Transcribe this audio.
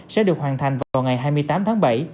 sẽ được hoàn thành vào ngày hai mươi tám tháng bảy